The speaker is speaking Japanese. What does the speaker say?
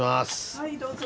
はいどうぞ。